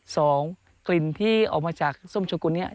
สองกลิ่นที่ออกมาจากส้มชะกุลนี้